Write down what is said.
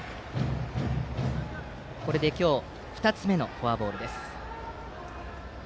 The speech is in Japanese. これで今日２つ目のフォアボール。